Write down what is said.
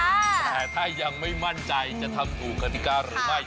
แต่ถ้ายังไม่มั่นใจจะทำถูกกฎิกาหรือไม่